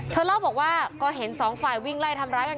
เล่าบอกว่าก็เห็นสองฝ่ายวิ่งไล่ทำร้ายกัน